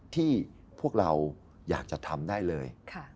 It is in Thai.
ที่พวกเราอยากจะทำได้เลย